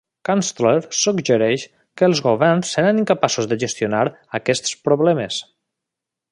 Kunstler suggereix que els governs seran incapaços de gestionar aquests problemes.